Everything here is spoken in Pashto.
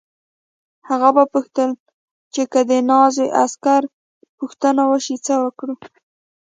هغه وپوښتل چې که د نازي عسکر پوښتنه وشي څه وکړو